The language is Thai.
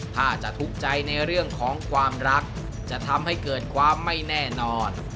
ถ้าจะทุกข์ใจในเรื่องของความรักจะทำให้เกิดความไม่แน่นอน